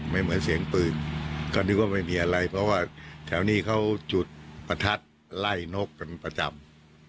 ไม่เหมือนเสียงปืนก็นึกว่าไม่มีอะไรเพราะว่าแถวนี้เขาจุดประทัดไล่นกกันประจำ